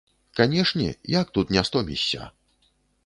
Канешне, як тут не стомішся!